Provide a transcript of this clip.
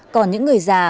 còn những người già